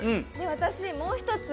私もう一つ